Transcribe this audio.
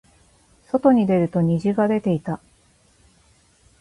外に出ると虹が出ていた。